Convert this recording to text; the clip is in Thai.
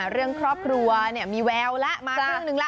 เรื่องครอบครัวมีแววแล้วมาเรื่องหนึ่งล่ะ